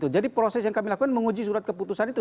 jadi proses yang kami lakukan menguji surat keputusan itu